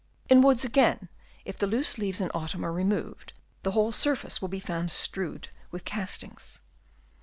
In woods again, if the loose leaves in autumn are removed, the whole surface will be found strewed with castings.